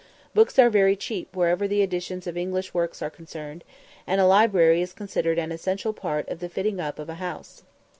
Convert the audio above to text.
Books are very cheap wherever the editions of English works are concerned, and a library is considered an essential part of the fitting up of a house.